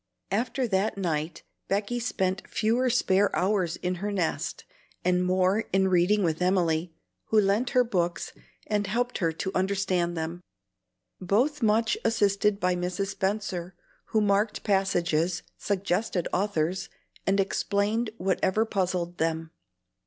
After that night Becky spent fewer spare hours in her nest, and more in reading with Emily, who lent her books and helped her to understand them, both much assisted by Mrs. Spenser, who marked passages, suggested authors, and explained whatever puzzled them.